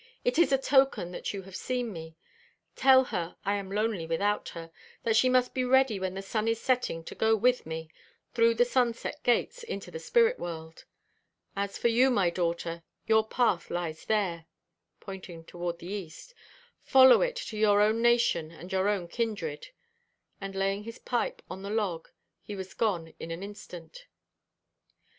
It is a token that you have seen me. Tell her I am lonely without her; that she must be ready when the sun is setting to go with me, through the sunset gates, into the spirit world. As for you, my daughter, your path lies there," pointing toward the east; "follow it to your own nation and your own kindred;" and, laying his pipe on the log, he was gone in an instant.